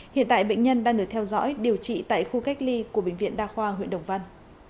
hiện tại bệnh nhân đang được theo dõi điều trị tại khu cách ly của bệnh viện đa khoa huyện đồng văn